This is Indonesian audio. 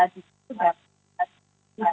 di situ dapat